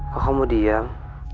kok kamu diam